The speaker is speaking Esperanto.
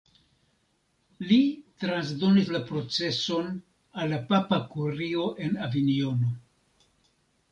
Li transdonis la proceson al la papa kurio en Avinjono.